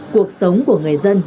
cuộc sống của người dân